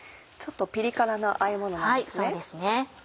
ちょっとピリ辛なあえものなんですね。